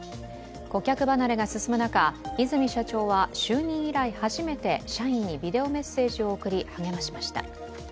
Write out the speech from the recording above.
顧客離れが進む中、和泉社長は就任以来初めて社員にビデオメッセージを送り励ましました。